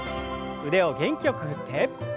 腕を元気よく振って。